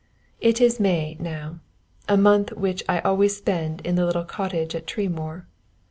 It is May now, a month which I always spend in the little cottage at Tremoor.